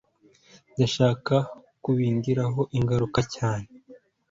ndashaka kubigiraho ingaruka cyane